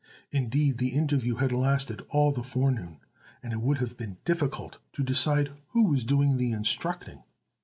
Indeed, the interview had lasted all the forenoon, and it would have been difficult to decide who was doing the instructing.